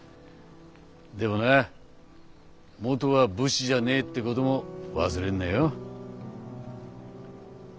でもなもとは武士じゃねぇってことも忘れんなよ。